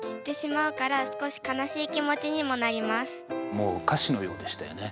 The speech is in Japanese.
もう歌詞のようでしたよね。